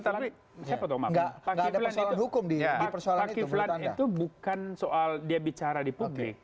pak akifran itu bukan soal dia bicara di publik